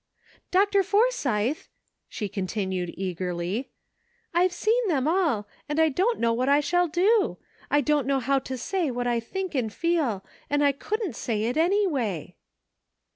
"Dr. Forsythe," she continued eagerly, "I've seen them all, and I don't know what I shall do ! I don't know how to say what I think and feel, and I couldn't say it any way."